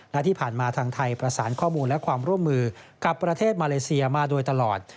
และที่ผ่านมาทางไทยประสานข้อมูลและความร่วมมือกับประเทศมาเลเซียมาโดยตลอด